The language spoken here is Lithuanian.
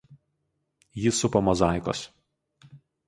Jį supa mozaikos.